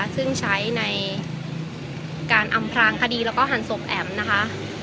ซึ่งใช้ในการอำพลางคดีแล้วก็หันศพแอ๋มนะคะ